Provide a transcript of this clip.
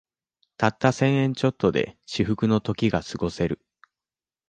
たった千円ちょっとで至福の時がすごせる